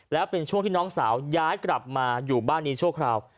แล้วเป็นช่วงที่น้องสาวย้ายกลับมาอยู่บ้านนี้ชั่วคราว